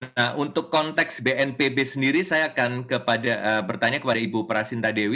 nah untuk konteks bnpb sendiri saya akan bertanya kepada ibu prasinta dewi